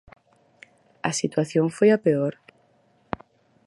A situación foi a peor?